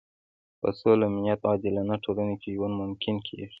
په سوله، امنیت او عادلانه ټولنه کې ژوند ممکن کېږي.